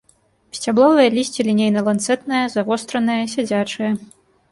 Сцябловае лісце лінейна-ланцэтнае, завостранае, сядзячае.